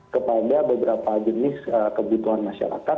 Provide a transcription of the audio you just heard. kepada beberapa jenis kebutuhan masyarakat